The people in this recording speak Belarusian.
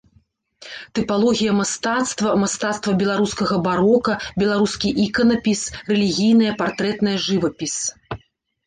Тыпалогія мастацтва, мастацтва беларускага барока, беларускі іканапіс, рэлігійная, партрэтная жывапіс.